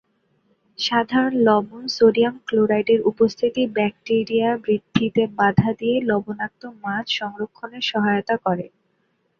সাধারণ লবণ, সোডিয়াম ক্লোরাইডের উপস্থিতি ব্যাকটিরিয়া বৃদ্ধিতে বাধা দিয়ে লবণাক্ত মাছ সংরক্ষণে সহায়তা করে।